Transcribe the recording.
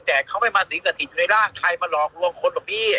แต่เขาไม่มาสริงสัติดในร่างใครมาลองรวงคนว่ะพี่